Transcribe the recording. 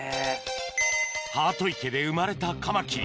ハート池で生まれたカマキリ